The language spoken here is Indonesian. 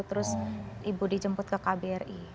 terus ibu dijemput ke kbri